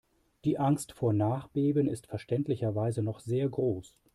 Die Angst vor Nachbeben ist verständlicherweise noch sehr groß.